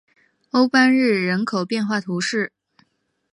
欧班日人口变化图示